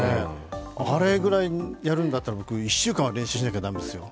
あれぐらいやるんだったら僕、１週間は練習しなきゃ駄目ですよ。